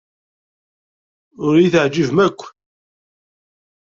Ur iyi-teɛjibem akk.